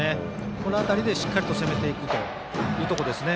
この辺りでしっかり攻めていくというところですね。